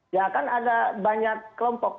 ya kan ada banyak kelompok